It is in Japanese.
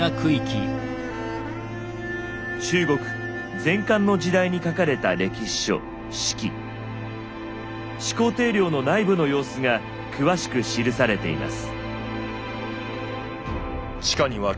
中国前漢の時代に書かれた歴史書始皇帝陵の内部の様子が詳しく記されています。